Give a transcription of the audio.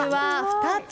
２つ。